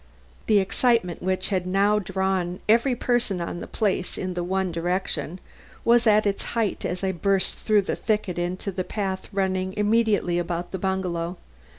The excitement which had now drawn every person on the place in the one direction, was at its height as I burst through the thicket into the path running immediately about the bungalow.